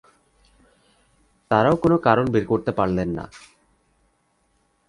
তাঁরাও কোনো কারণ বের করতে পারলেন না।